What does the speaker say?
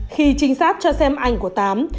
khi trinh sát cho xem ảnh của tám